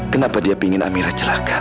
kenapa dia pingin amira celaka